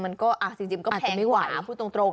มันก็แพงกว่าพูดตรง